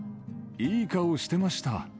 いい顔してました。